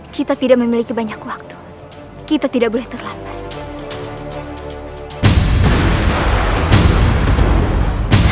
kita tidak memiliki banyak waktu kita tidak boleh terlambat